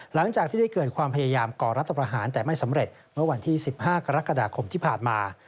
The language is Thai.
หลังจากที่ได้เกิดความพยายามก่อรัฐประหารแต่ไม่สำเร็จเมื่อวันที่๑๕กรกฎาคมที่ผ่านมา